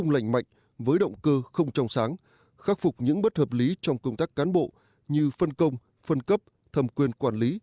lành mạnh với động cơ không trong sáng khắc phục những bất hợp lý trong công tác cán bộ như phân công phân cấp thầm quyền quản lý